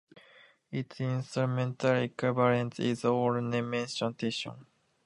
Its instrumental equivalent is ornamentation.